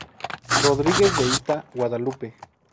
Rodríguez de Ita, Guadalupe.